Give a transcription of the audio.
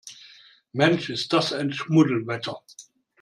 Mensch, ist das ein Schmuddelwetter!